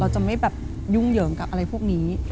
จะไม่แบบยุ่งเหยิงกับอะไรพวกนี้